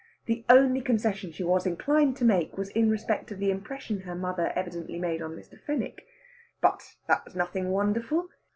The only concession she was inclined to make was in respect of the impression her mother evidently made on Mr. Fenwick. But that was nothing wonderful.